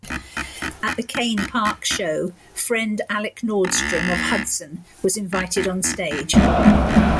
At the Cain Park show, friend Alec Nordstrom of Hudson was invited onstage.